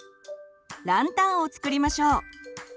ランタンを作りましょう。